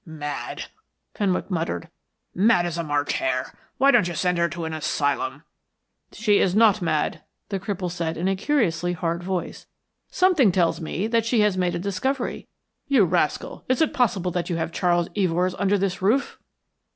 "Mad," Fenwick muttered. "Mad as a March hare. Why don't you send her to an asylum?" "She is not mad," the cripple said in a curiously hard voice. "Something tells me that she has made a discovery. You rascal, is it possible that you have Charles Evors under this roof?"